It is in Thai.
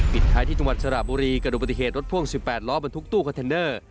ท้ายที่จังหวัดสระบุรีกระดูกปฏิเหตุรถพ่วง๑๘ล้อบรรทุกตู้คอนเทนเนอร์